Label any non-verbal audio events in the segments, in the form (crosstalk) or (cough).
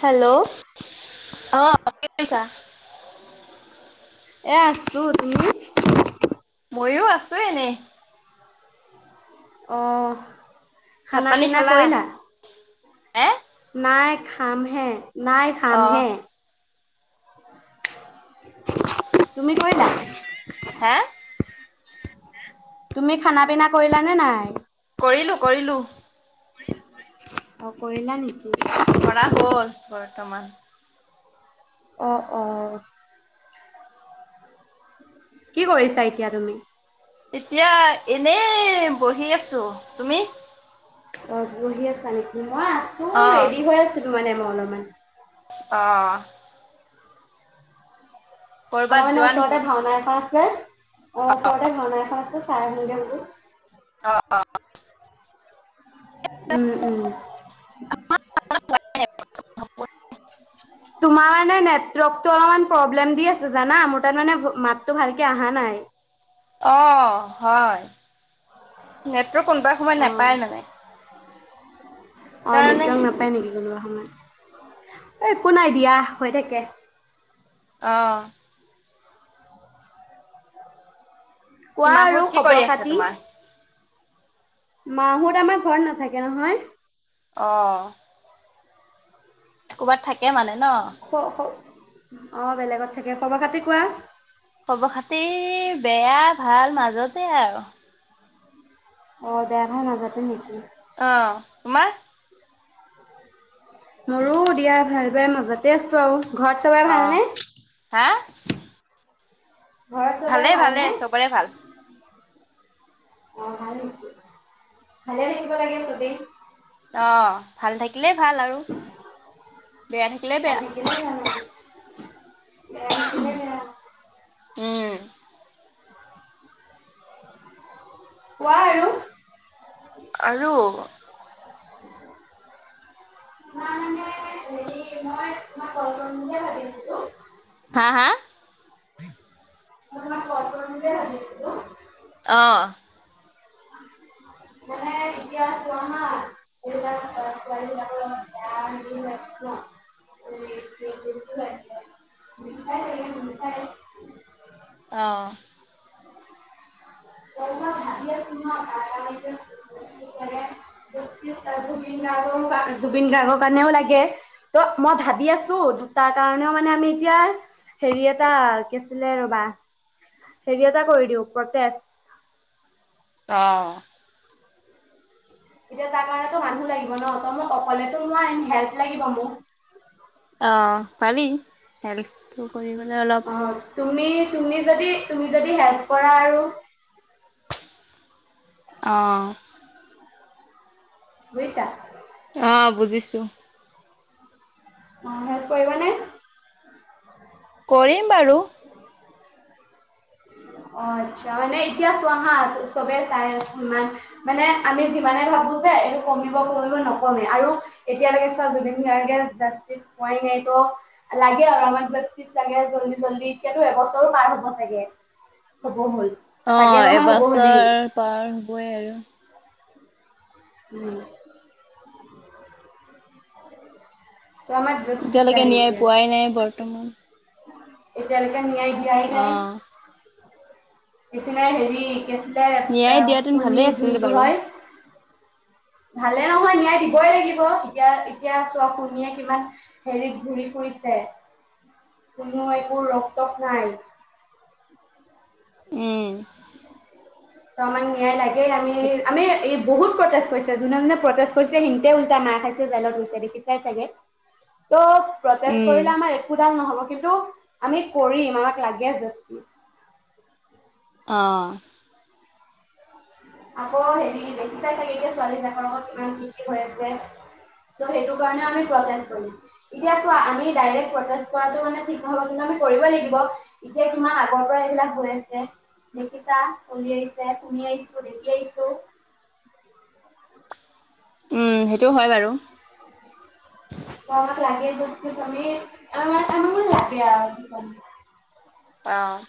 Hello অ, কি কৰিছা? এ আছো। তুমি? ময়ো আছো এনে অঁ ভাত খানা পানী পিনা খালা? কৰিলা হে নাই খামহে নাই অ' খামহে তুমি কৰিলা হে তুমি খানা পিনা কৰিলানে নাই কৰিলো কৰিলো অ কৰিলা নেকি কৰা হ'ল বৰ্তমান অ অ কি কৰিছা এতিয়া তুমি এতিয়া এনে বহি আছো তুমি অ। বহি আছা নে? মই আছো অ' ৰেডি হৈ আছো মানে মই অলপমান অঁ আমাৰ কৰ'বাত মানে যোৱা নেকি? ওচৰতে ভাওনা এখন আ ছে অ ওচৰতে ভাওনা এখন আছে চাই আহোঙগে বোলো। অ', অ'। উম উম। (unintelligible) তোমাৰ মানে নেটৱৰ্কতটো অলপমান প্ৰব্লেম দি আছে জানা, মোৰ তাত মানে মাতটো ভালকে অহা নাই। অ' হয়। নেটৱৰ্ক কোনোবা সময়ত অ', নাপায় মানে। অ' সেইকাৰণে নেটৱৰ্ক নাপাই নেকি কোনোবা একো নাই দিয়া হৈ থাকে। অ। কোৱা আৰু মাহত কি কৰি খবৰ আছে খাতি। তোমাৰ? মা হত আমাৰ ঘৰত নাথাকে নহয়। অ'। ক'বাত থাকে মানে। ন? শ শ অ' বেলেগত থাকে খবৰ খাতি কোৱা। খবৰ খাতি বেয়া ভাল মাজতে আৰু। অ' দেৰ হৈ মাজতে নেকি অহ তোমাৰ? মোৰো দিয়া ভাল। বাই মাজাতে আছো আৰু। ঘৰত চবৰে ভাল অ' নে? হা। ঘৰত চবৰে ভালে ভালে ভালনে? চবৰে ভাল। অ' ভাল হৈছে। ভালে থাকিব লাগে চবেই। অ' ভাল থাকি থাকিলে ভাল আৰু বেয়া থাকিলে ভাল বেয়া। থাকিলে ভাল আৰু। বেয়া দেখিলে বেয়া। হুম। কোৱা আৰু। আৰু ন মানে হেৰি মই তোমাক কল কৰিম বুলিয়ে ভাবি আছিলো। হা হা। মই তোমাক কল কৰিম বুলিয়ে ভাবি আছিলো। অ মানে, এতিয়া চোৱা, হা। জুবিন দাৰ ক্ষেত্ৰত, ছোৱালীবিলাকৰ লগত বেয়া, হেৰি, হৈ আছে ন। ৰেপ কেছ, এইবোৰতো হৈ আছে। শুনিছাই চাগে, (unintelligible) অ'। (unintelligible) জুবিন গাৰ্গৰ কাৰণেও লাগে, ত'। মই ভাবি আছোঁ, তাৰ কাৰণেও, মানে, আমি এতিয়া, হেৰি, এটা, কি আছিলে, ৰবা, হেৰি, এটা কৰি দিওঁ, প্ৰটেষ্ট অ'। এতিয়া তাৰ কাৰণেতো মানুহ লাগিব ন ত মই অকলেতো মোৰ হেল্প লাগিব মোক। অ' পাৰি হে কৰিব নে, অলপ অ', তুমি, তুমি, যদি তুমি যদি হেল্প কৰা আৰু আহঁ'। বুইছা অ', বুজিছোঁ। অ, হেল্প কৰিবা নে? কৰিম বাৰু অহ, আচ্ছা। মানে এতিয়া চোৱাহা চবে চাই সিমান মানে আমি যিমানে ভাবো যে এইটো কমিব কমিব নকমে। আৰু এতিয়ালৈকে চোৱা জুবিন গাৰ্গে জাষ্টিচ পুৱাই নাই টো লাগে আৰু আমাক জাষ্টিচ লগে জল্দি জল্দি। এতিয়াতো এবছৰো পাৰ হব চাগে। হব হ'ল। চাগে অ', নহয় হ'ব হ'লেই এবছৰ পাৰ হ'বই আৰু। হম'। ত' আমাক জাষ্টিচ এতিয়ালৈকে লাগে ন্যায় পোৱাই নাই, বৰ্তমান। এতিয়াালক ন দিয়াই অ নাই ইচনা হেৰি কি আছিলে, ন্যায় (unintelligible) দিয়াহেতেন ভালেই কণী, আছিল যোনটো বাৰু হয় ভালে নহয় নিয়ায় দিবই লাগিব এতিয়া এতিয়া চোৱা শুনীয়ে কিমান হেৰিত ঘূৰি ফুৰিছে কোনো একো ৰক্তক্তক নাই। উম ত আমাক ন্যায় লাগে আমি আমি এই বহুত প্ৰটেষ্ট কৰিছে যোনে যোনে প্ৰটেষ্ট কৰিছে সিতে উল্টটা মাৰ খাইছে জেলত গছে দেখি চাই চাগে ত' প্ৰটেষ্ট উম কৰিলে আমাৰ একোাল নহ'ব। কটো আমি কৰিম আমাক লাগে জাি অ'। আকৌ, হেৰি, দেখিছাই চাগে, এতিয়া, ছোৱালীবিলাকৰ লগত কিমান কি কি হৈ আছে। ত', সেইটো কাৰণেও, আমি প্ৰটেষ্ট কৰিম। এতিয়া, চোৱা, আমি ডাইৰেক্ট প্ৰটেষ্ট কৰাটো, মানে, ঠিক নহ'ব। কিন্তু, আমি কৰিবই লাগিব। এতিয়া, কিমান আগৰ পৰা এইবিলাক হৈ আছে, দেখিছা, চলি আহিছে, শুনি আহিছোঁ (unintelligible) উম। সেইটো হয় বাৰু (inaudible) পাবক লাগে যস্তি তমি (unintelligible) লাগে আৰু (inaudible) অ'।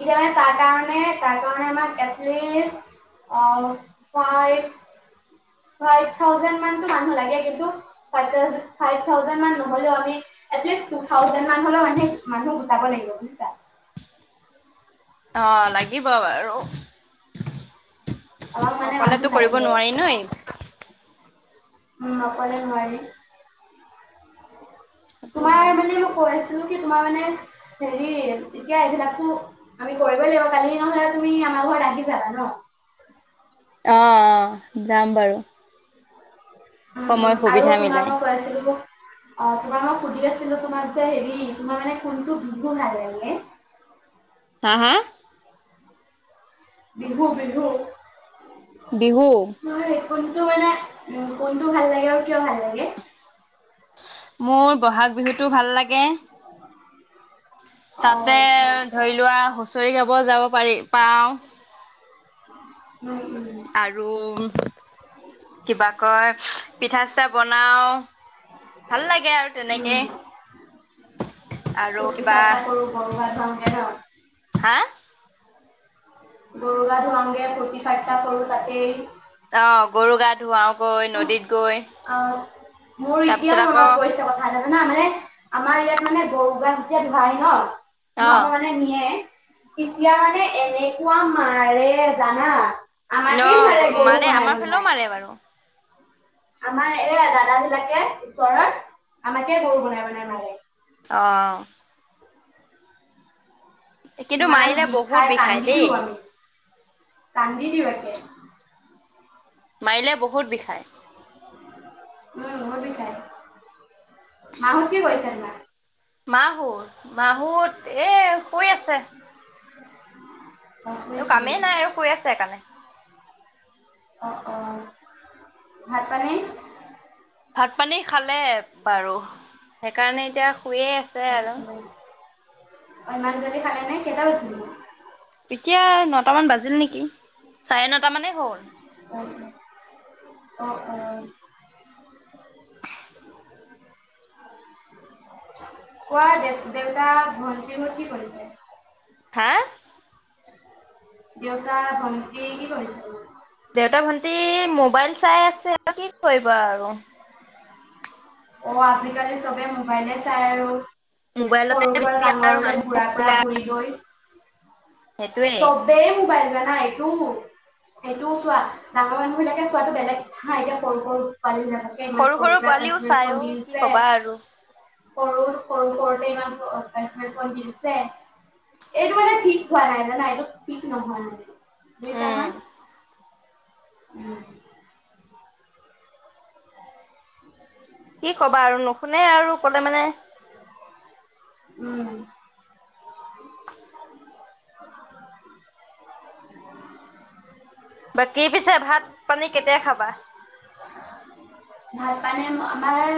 এতিয়া মানে তাৰ কাৰণে তাৰ কাৰণে আমাক এটলিষ্ট অ' ফাইভ ফাইভ থাওজেন্ড মানটো মানুহ‌ লাগেই ন, ফাইভ থাওজেন্ড মান নহ'লেও আমি এই টো থাওজেন্ড মানটো‌ গটাব লাগিব। অ' লাগিব বাৰু। আমাক মানে মানুহ অকলেতো কৰিব লাগে নোৱাৰি ন, এই উম অকলে নোৱাৰি। তোমাৰ, সেইটো হয়। মানে, মই কৈ আছোঁ ছিলো কি তোমাৰ মানে হেৰি এতিয়া এইবিলাকো আমি কৰিবই লাগিব কালি নহলে তুমি আমাৰ ঘৰত আহি যাবা ন। অ' অ' যাম বাৰু। উ সময় আৰু সুবিধা তোমাৰ মিলাই মই কৈ আছিলো অ', তোমাক মই সুধি আছিলোঁ। তোমাক যে, হেৰি, তোমাৰ, মানে, কোনটো বিহু ভাল লাগে? হা? হা? বিহু, বিহু বিহু নহয় কোনটো মানে, উ কোনটো ভাল লাগে আৰু কিয় ভাল লাগে? মোৰ ব'হাগ বিহুটো ভাল লাগে অ তাতে, আচ্ছা আচ্ছা ধৰি লোৱা, হুচৰি গাব যাব পাৰি, পাও (inaudible) আৰু কিবা কয়, পিঠা-চিঠা বনাও, ভাল লাগে আৰু উম তেনেকে, আৰু ফূৰ্তি কিবা, ফাৰ্তা কৰো গৰু গা ধুৱাওঁগে ন হা? গৰু গা ধুৱাওঁগে, ফূৰ্তি-ফাৰ্তা কৰোঁ, তাকেই অ গৰু গা ধুৱাও গৈ নদীত গৈ এ মোৰ এতিয়া তাৰপিছত আকৌ মনত পৰিছে কথা জানা মানে, আমাৰ ইয়াত মানে গৰু গ হে, ধুৱাই ন? (unintelligible) অ' মানে, নিয়ে তেতিয়া মানে এনেকুৱা মাৰে জানা ন আমাকে মাৰে, গৰু আমাৰ ফালেও বনাই-বনাই মাৰে বাৰু আমাৰ এইয়া, দাদাবিলাকে ওপৰৰ, আমাকেই গৰু বনাই-বনাই মাৰে অ' কিন্তু ইমান মাৰিলে বহুত বিষাই কান্দি দিওঁ দেই আমি কান্দি দিবাকে মাৰিলে, বহুত বিষায় উম (unintelligible) বিষাই, মাহঁত কি কৈছে তোমাক? মা মাহঁত, এ, শুই আছে। অ শুই একো আছে কামেই নেকি নাই, আৰু শুই আছে, সেইকাৰণে অ', অ', ভাত-পানী? ভাত-পানী খালে বাৰু সেইকাৰণে এতিয়া শুইয়ে আছে আৰু অ', ইমান জল্দি খালে নে? কেইটা বা এতিয়া, নটামান বাজিল নেকি? চাৰে নটামানেই হ'ল উ উ আহ আহ কোৱা, দেউ-দেউতা, ভণ্টি নো কি কৰিছে? হা? দেউতা, ভণ্টি কি কৰিছে দেউতা, ভণ্টি মোবাইল চাই আছে আৰু কি কৰিব আৰু অ আজিকালি চবে মোবাইলে চাই আৰু মোবাইলতে সৰুৰ পৰা বিজি আৰু ডাঙৰলৈ ঘূ়ৰা ফুৰা মানুহবিলাক ঘূৰি গৈ। সেইটোয়ে। চবেই মোবাইল জানা, এটি এইটো - সেইটোও চোৱা ডাঙৰ মানুহ বিলাকে চোৱাটো বেলেগ হা, এতিয়া সৰু -সৰু ছোৱালী বিলাককে ইমান সৰু সৰুৰ সৰু পৰাই পোৱালিও পাৰ্চনেল চাই ফোন অ' দি - কি দিছে। কবা আৰু। সৰু, সৰু- সৰুতে ইমান ট্ৰেঞ্চলেচন দি দিছে। এইটো মানে ঠিক, হোৱা নাই জানা, এইটো ঠিক নহোৱা নহয়। বুজিছা উম। নহয়? উম, (inaudible) কি কবা, আৰু নুশুনে আৰু কলে মানে, উম, বাকী পিছে ভাত- পানী কেতিয়া খাবা? ভাত - পানী আমাৰ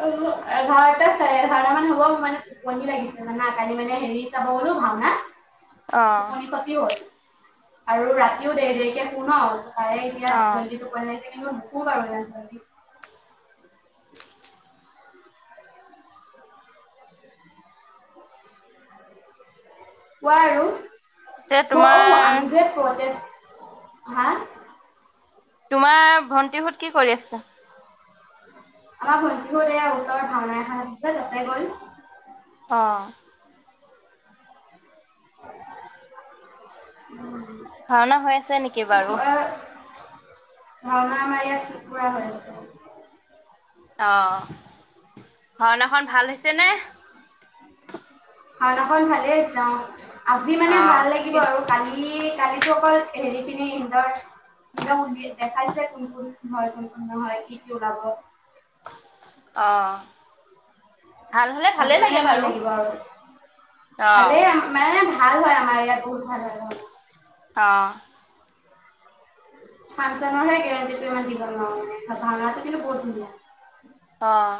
অ-এঘাৰটা, চাৰে এঘাৰটা মান হ'ব। মানে টোপনি লাগিছে যানা কালি মানে হেৰি চাব 'গলো ভাওনা। অ', টোপনি খটি হল। আৰু ৰাতিও দেৰি দেৰিকে শু, ন '। তাৰে এতিয়া অ', জল্দি টোপনি লাগিছে কেনেকৈ খাওঁ। (unintelligible) কোৱা আৰু- পিছে ম-অউ তোমাৰ আমি যে সৰুতে- হা- তোমাৰ ভণ্টিহত কি কৰি আছে? আমাৰ ভণ্টিহত এয়া ওচৰৰ ভাওনা এখন আছে তাতে গ'ল। অ, - উম, ভাওনা হৈ আছে নেকি বাৰু? ভাওনা মাৰি‌‌য়াত চুকুৰা হৈ আছে। আহ, ভাওনাখন ভাল হৈছে নে? ভাওনাখন ভালেই হৈছে। অ ', আজি মানে অ', ভাল লাগিব ঠিকে আৰু কালি - কালি, যিসকল হেৰিখিনি ইন্টাৰভিউ - ইন্টাৰভিউ সুধি দেখাইছে কোন -কোন হয়, কোন- কোন নহয় কি কি ওলাব। অহ, আজিও মানে ভাল লাগিব আৰু ভালেই অ', মানে ভাল, ভাল হয় আমাৰ ইয়াত বহুত ভাল হয়। অ, অহ, ফাঞ্চন হলে গেৰেণ্টিটো ইমান দিব নোৱাৰোঁ গে ভাওনাটো কিন্তু বহুত ধুনীয়া। অহ,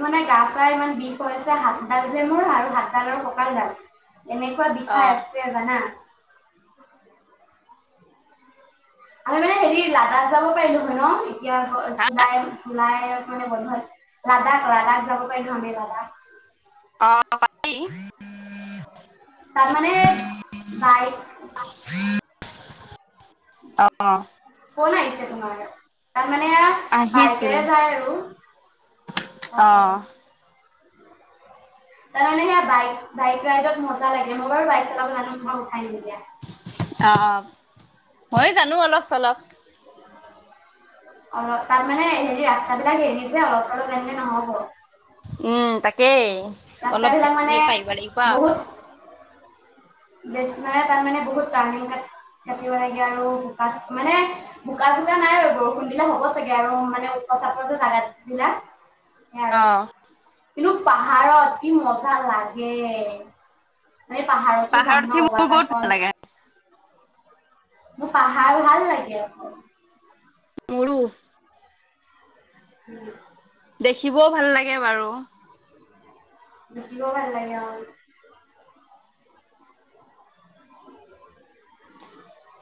মানে গা চা ইমান বিষ হৈছে হাতডাল যে মোৰ আৰু হাতডালৰ কঁকাল দাল, এনেকুৱা বিষাই অ', আছে জানা। (unintelligible) আমি মানে হেৰি লাডা যাব পাৰিলো হয় ন এতিয়া হা চলাই চোলাই মানে বন্ধ লাডাক লাডাক যাব পাৰিলো হ দেই লাডাক অ ভ (unintelligible) তাৰ মানে- বাইক- উম (unintelligible) অ ন (unintelligible) ত মানে আহিছিল বাইকেৰে যায় আৰু অ অ তাৰমানানে স বাইক বাইক ৰাইডত মজা লাগে মই বাৰু বাইক চলাব জানো আহ দা (unintelligible) হয় জানো অলপ- চলপ। অলপ তাৰ মানে হেৰি ৰাস্তাবলাক হেৰি যে, অলপ অলপ এনেনে (unintelligible) নহ'ব। তাকেই অলপ ৰাস্তাাবিলাক বেছি মানে পাৰিব লাগিব আৰু। বহুত বচাৰে (unintelligible) তাত মানে বহুত টাৰ্ণিং কাটিব লাগে। আৰু বোকা মানে বোকা- চোকা নাই আৰু বৰষুণ দিলে হ'ব চাগে আৰু মানে উখ- চাপৰ জাগা বিলাক। উ অ (unintelligible) কিন্তু পাহাৰত কি মজা লাগে- মানে পাহাৰত- পাহাৰত উঠি মোৰ বহুত ভাল লাগে। মোৰ পাহাৰ ভাল লাগে অক মোৰো হম। দেখিবও ভাল লাগে বাৰু দুখিব ভাল লাগ আৰু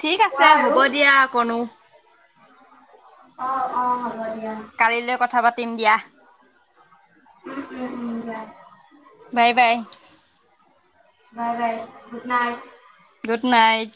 ঠিক আছে কোৱা আৰু হ'ব দিয়া অকনো অ-অ- হ'ব দে। কালিলৈ কথা পাতিম। দিম দিয়া। উম- উম- উম- bye bye. Bye- bye good night. Good night